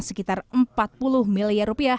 sekitar rp empat puluh miliar